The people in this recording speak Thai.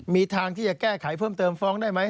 มีทางที่จะแก้ไขเพิ่มเติมฟ้องได้ไหม